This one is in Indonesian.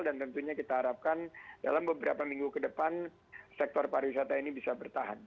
dan tentunya kita harapkan dalam beberapa minggu ke depan sektor pariwisata ini bisa bertahan